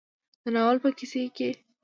د ناول په کيسه کې